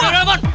eh udah mon